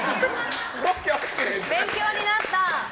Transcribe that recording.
勉強になった！